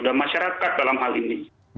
dan masyarakat dalam hal ini